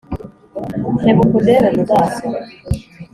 nkebuka undebe mu maso